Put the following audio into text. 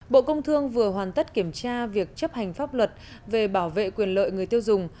bộ công thương vừa hoàn tất kiểm tra việc chấp hành pháp luật về bảo vệ quyền lợi người tiêu dùng